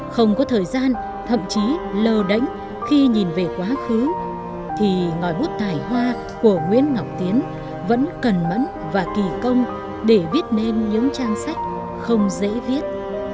không có thời gian thậm chí lờ đánh khi nhìn về quá khứ thì ngõi bút tài hoa của nguyễn ngọc tiến vẫn cần mẫn và kỳ công để viết nên những trang sách không dễ viết